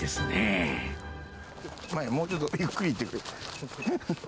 まゆ、もうちょっとゆっくり行ってくれ。